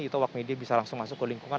itu awak media bisa langsung masuk ke lingkungan